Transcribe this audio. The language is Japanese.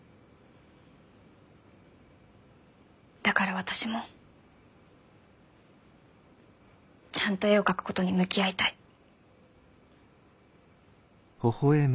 だから私もちゃんと絵を描くことに向き合いたい。